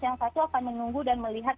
yang satu akan menunggu dan melihat